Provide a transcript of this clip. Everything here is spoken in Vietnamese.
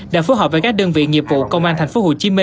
đã phối hợp với các đơn viện nhiệm vụ công an tp hcm